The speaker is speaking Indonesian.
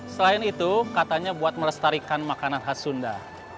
selain itu katanya buat melestarikan makanan khas sunda